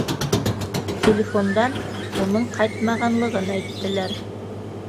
Телефондан уның ҡайтмағанлығын әйттеләр.